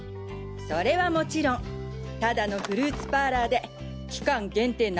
それはもちろんタダノフルーツパーラーで期間限定梨